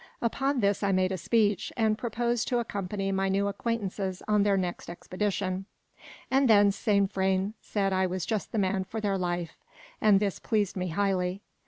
Upon this I made a speech, and proposed to accompany my new acquaintances on their next expedition: and then Saint Vrain said I was just the man for their life; and this pleased me highly.